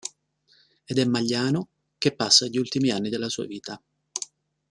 Ed è Magliano che passa gli ultimi anni della sua vita.